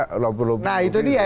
nah itu dia ya